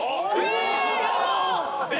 え